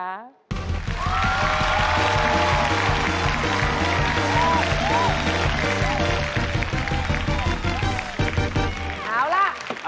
เอาล่ะ